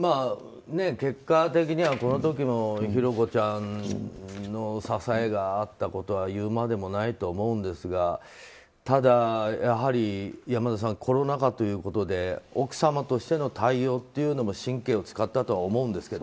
結果的には、この時も寛子ちゃんの支えがあったことは言うまでもないと思うんですがただ、やはり山田さんコロナ禍ということで奥様としての対応というのも神経を使ったとは思うんですけど。